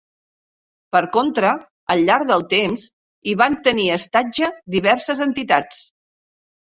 Per contra, al llarg del temps hi van tenir estatge diverses entitats.